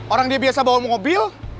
orang dia biasa bawa mobil